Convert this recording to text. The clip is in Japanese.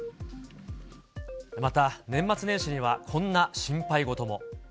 また年末年始にはこんな心配事も。